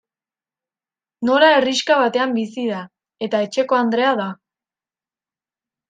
Nora herrixka batean bizi da, eta etxekoandrea da.